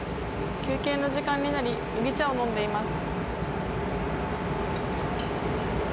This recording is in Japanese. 休憩の時間になり麦茶を飲んでいます。